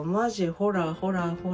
ほらほらほら。